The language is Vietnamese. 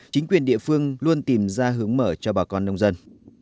chính quyền địa phương luôn tìm ra hướng mở cho bà con nông dân